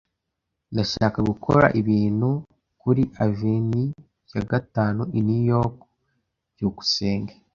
Ndashaka gukora ibintu kuri Avenue ya Gatanu i New York. byukusenge